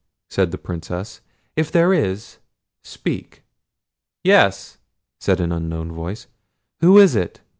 said the Princess; "if there is, speak." "Yes," said an unknown voice. "Who is it?"